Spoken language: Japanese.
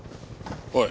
おい。